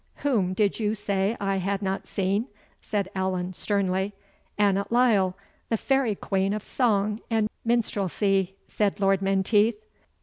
"Whom did you say I had not seen?" said Allan, sternly. "Annot Lyle, the fairy queen of song and minstrelsy," said Lord Menteith.